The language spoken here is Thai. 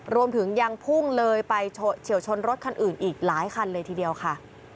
รวมถึงยังพุ่งเลยไปเฉียวชนรถคันอื่นอีกหลายคันเลยทีเดียวค่ะ